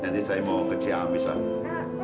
nanti saya mau ke cia misalnya